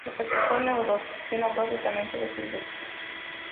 Cuando participó en Eurovisión habló abiertamente de su lesbianismo.